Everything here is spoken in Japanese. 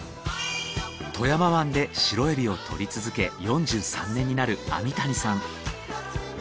富山湾でシロエビを獲り続け４３年になる網谷さん。